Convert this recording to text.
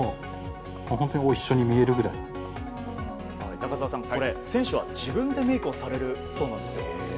中澤さん、選手は自分でメイクされるそうなんですよ。